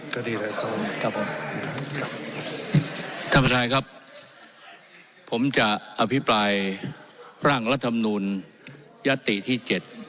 ท่านประธานครับผมจะอภิปรายร่างรัฐศูนย์ยัตติภุมที่เจ็ด